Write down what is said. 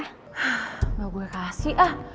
hah gak gue kasih ah